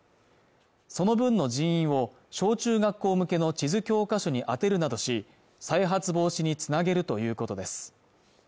その分の人員を小中学校向けの地図教科書に充てるなどし再発防止につなげるということです